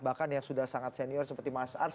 bahkan yang sudah sangat senior seperti mas ars